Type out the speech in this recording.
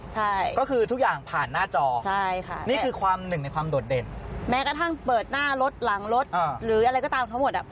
ใช่ก็คือทุกอย่างผ่านหน้าจอใช่ค่ะนี่คือความหนึ่งในความโดดเด่นแม้กระทั่งเปิดหน้ารถหลังรถหรืออะไรก็ตามทั้งหมดอ่ะ